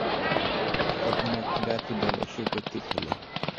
তখন একটি যাত্রীদল এসে উপস্থিত হলো।